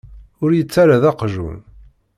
Ur yi-ttarra d aqjun.